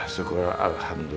sigih di dalam kuda